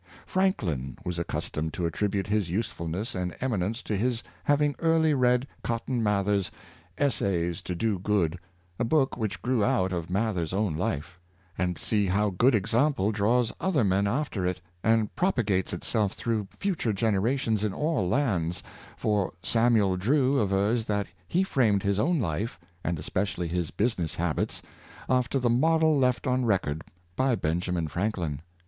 '' Franklin was accustomed to attribute his usefulness and eminence to his havino earlv read Cotton Mather's " Essavs to do o:ood.'' a book which o rew out of Mather's own life. And see how good example draws 596 Ins piring Books. other men after it, and propagates itself through future generations in all lands, for Samuel Drew avers that he framed his own life, and especially his business hab its, after the model left on record by Benjamin Frank lin.